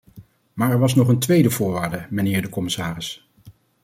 Maar er was nog een tweede voorwaarde, mijnheer de commissaris.